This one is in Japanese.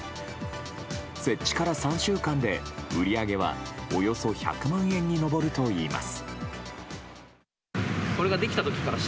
設置から３週間で、売り上げはおよそ１００万円に上るといいます。